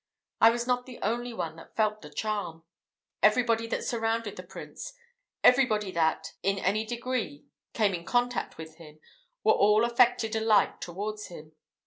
I was not the only one that felt the charm. Everybody that surrounded the prince everybody that, in any degree, came in contact with him, were all affected alike towards him.